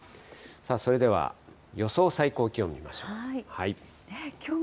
それでは、予想最高気温見ましょう。